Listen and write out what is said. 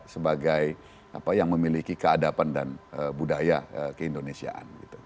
sebagai apa yang memiliki keadapan dan budaya keindonesiaan